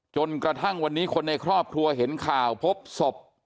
จนกระทั่งวันนี้คนในครอบครัวเห็นข่าวพบศพ